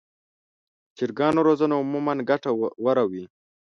د چرګانو روزنه عموماً ګټه وره وي.